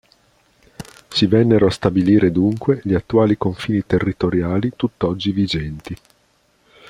Si vennero a stabilire dunque gli attuali confini territoriali tutt'oggi vigenti.